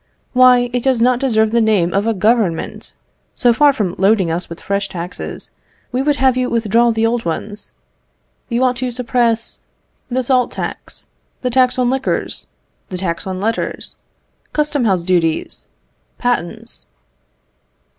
Why, it does not deserve the name of a Government! So far from loading us with fresh taxes, we would have you withdraw the old ones. You ought to suppress "The salt tax, "The tax on liquors, "The tax on letters, "Custom house duties, "Patents."